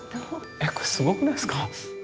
えこれすごくないすか？